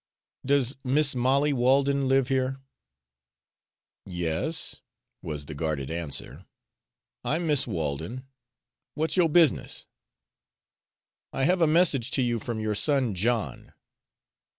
"Does Mis' Molly Walden live here?" "Yes," was the guarded answer. "I'm Mis' Walden. What's yo'r business?" "I have a message to you from your son John."